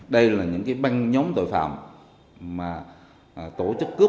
đây là những băng nhóm tội phạm mà tổ chức cướp